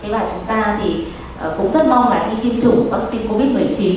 và chúng ta thì cũng rất mong là đi tiêm chủng vắc xin covid một mươi chín